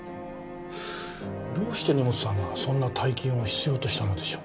どうして根本さんがそんな大金を必要としたのでしょう？